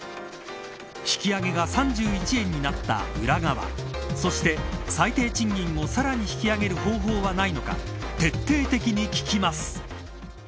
引き上げが３１円になった裏側そして、最低賃金をさらに引き上げる方法はないのか徹底的に聞きます。